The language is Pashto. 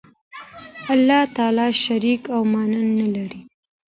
الله تعالی شریک او ماننده نه لری